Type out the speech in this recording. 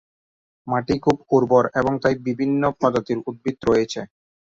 মাটি খুব উর্বর এবং তাই বিভিন্ন প্রজাতির উদ্ভিদ রয়েছে।